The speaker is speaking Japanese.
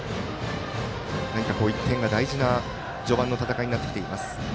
何か、１点が大事な序盤の戦いになってきています。